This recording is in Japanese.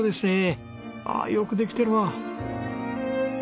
ああよくできてるわ。